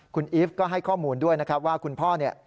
คุณอีฟก็ให้ข้อมูลด้วยนะครับว่าคุณพ่อเนี่ย